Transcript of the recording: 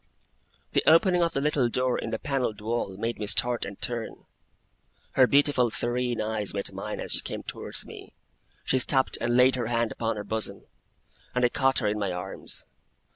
The opening of the little door in the panelled wall made me start and turn. Her beautiful serene eyes met mine as she came towards me. She stopped and laid her hand upon her bosom, and I caught her in my arms.